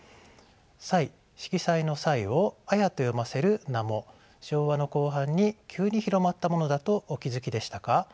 色彩の「彩」を「あや」と読ませる名も昭和の後半に急に広まったものだとお気付きでしたか？